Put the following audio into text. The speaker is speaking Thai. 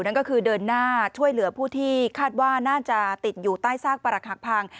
นั่นก็คือเดินหน้าช่วยเหลือผู้ที่คาดว่าน่าจะติดอยู่ใต้ซากปรักหักพัง